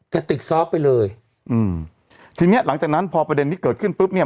กระติกซอฟต์ไปเลยอืมทีเนี้ยหลังจากนั้นพอประเด็นที่เกิดขึ้นปุ๊บเนี่ย